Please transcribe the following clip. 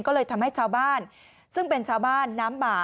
ก็เลยทำให้ชาวบ้านซึ่งเป็นชาวบ้านน้ำบ่า